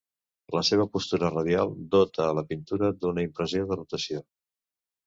La seva postura radial dota a la pintura d'una impressió de rotació.